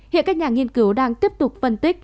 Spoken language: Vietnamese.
hiện các nhà nghiên cứu đang tiếp tục phân tích